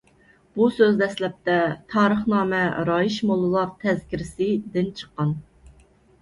بۇ سۆز دەسلەپتە «تارىخنامە رايىش موللىلار تەزكىرىسى»دىن چىققان.